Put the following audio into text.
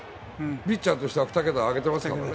ピッチャーとしては２桁挙げてますからね。